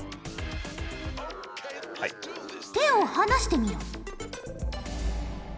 手を離してみよ。